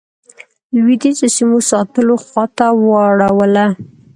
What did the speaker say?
لوېدیځو سیمو ساتلو خواته واړوله.